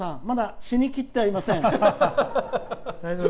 まだ死にきってはいません。